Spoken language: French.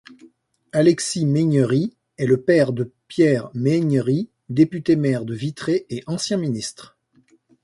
Alexis Méhaignerie est le père de Pierre Méhaignerie, député-maire de Vitré et ancien ministre.